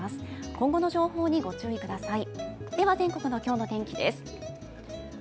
今後の情報にご注意ください。